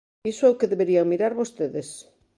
Iso é o que deberían mirar vostedes.